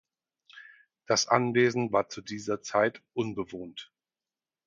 Das Anwesen war zu dieser Zeit unbewohnt.